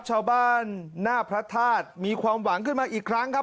ชาวบ้านหน้าพระธาตุมีความหวังขึ้นมาอีกครั้งครับ